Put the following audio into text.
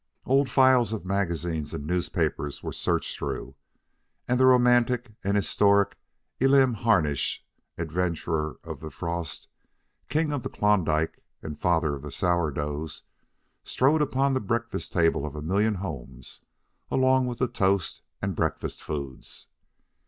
Old files of magazines and newspapers were searched through, and the romantic and historic Elam Harnish, Adventurer of the Frost, King of the Klondike, and father of the Sourdoughs, strode upon the breakfast table of a million homes along with the toast and breakfast foods.